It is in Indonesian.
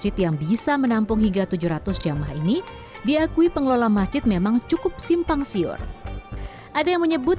tempung hingga tujuh ratus jamah ini diakui pengelola masjid memang cukup simpang siur ada yang menyebut